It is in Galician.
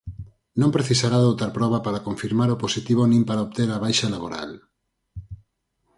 Non precisará doutra proba para confirmar o positivo nin para obter a baixa laboral.